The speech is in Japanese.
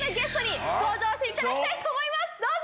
どうぞ！